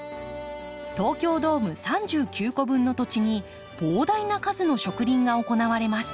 東京ドーム３９個分の土地に膨大な数の植林が行われます。